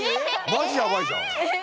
⁉まじやばいじゃん！